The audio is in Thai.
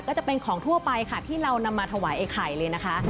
ก็จะเป็นของทั่วไปค่ะที่เรานำมาถวายไอ้ไข่เลยนะคะ